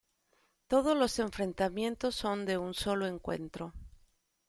Todos los enfrentamientos son de solo un encuentro.